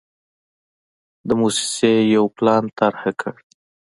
د موسسې یو پلان طرحه کړ.